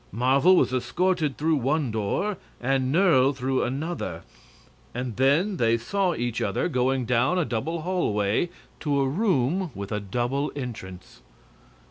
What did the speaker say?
Marvel was escorted through one door and Nerle through another, and then they saw each other going down a double hallway to a room with a double entrance.